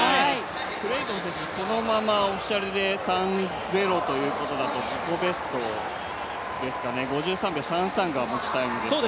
クレイトン選手、このままオフィシャルで３０ということだと自己ベストですかね、５３秒３３が持ちタイムですからね。